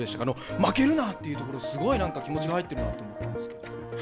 負けるなっていうところすごい気持ちが入ってるなと思った。